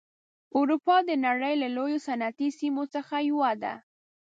اروپا د نړۍ له لویو صنعتي سیمو څخه یوه ده.